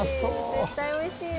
絶対美味しいよ。